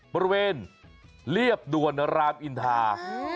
บริเวณเรียบด่วนรามอินทา